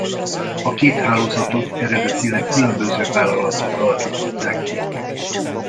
A két hálózatot eredetileg különböző vállalatok alakították ki.